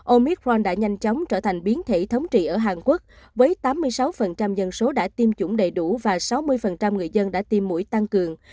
omicron đã nhanh chóng trở thành biến thể thống trị ở hàn quốc với tám mươi sáu dân số đã tiêm chủng đầy đủ và sáu mươi người dân đã tiêm mũi tăng cường